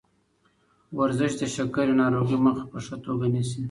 ورزش د شکرې ناروغۍ مخه په ښه توګه نیسي.